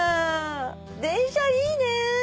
電車いいね！